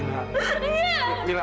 kamu gak boleh nemenin aku